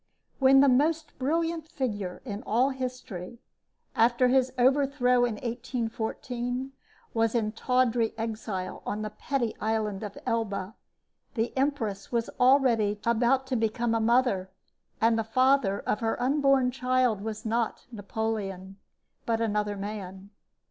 When the most brilliant figure in all history, after his overthrow in 1814, was in tawdry exile on the petty island of Elba, the empress was already about to become a mother; and the father of her unborn child was not Napoleon, but another man.